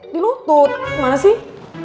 dilutut mana sih